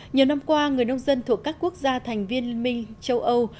nhiều năm qua người nông dân thuộc các quốc gia thành viên liên minh châu âu